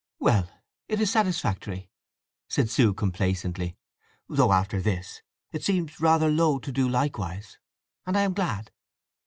"Well, it is satisfactory," said Sue complacently. "Though, after this, it seems rather low to do likewise, and I am glad.